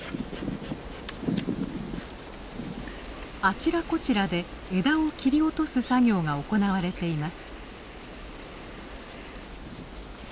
あちらこちらで枝を切り落とす作業が行われています。